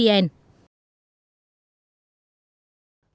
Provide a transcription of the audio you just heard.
tiếp theo là libre workshop now vn